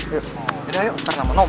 yaudah yuk ntar sama nom